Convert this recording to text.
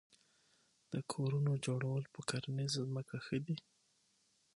د کورونو جوړول په کرنیزه ځمکه ښه دي؟